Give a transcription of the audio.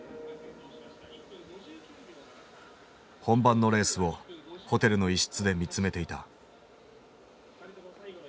本番のレースをホテルの一室で見つめていた。